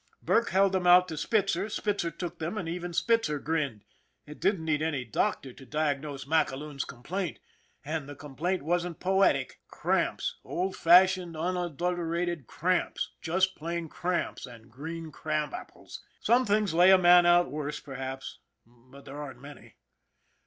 Burke held them out to Spitzer, Spitzer took them, and even Spitzer grinned. It didn't need any doctor to diagnose MacAloon's complaint and the complaint wasn't poetic! Cramps, old fashioned, un adulterated cramps just plain cramps and green crab apples ! Some things lay a man out worse perhaps but there aren't many.